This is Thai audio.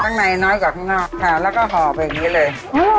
ข้างในน้อยกว่าข้างนอกค่ะแล้วก็ห่อแบบนี้เลยอ๋อ